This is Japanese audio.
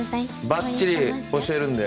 ばっちり教えるんで。